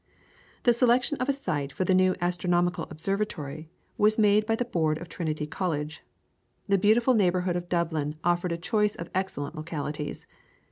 The selection of a site for the new astronomical Observatory was made by the Board of Trinity College. The beautiful neighbourhood of Dublin offered a choice of excellent localities.